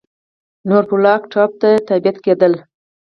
نورفولک ټاپو ته تبعید کېدل.